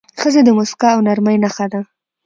ښځه د موسکا او نرمۍ نښه ده.